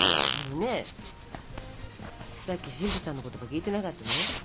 あのねさっき神父さんの言葉聞いてなかったの？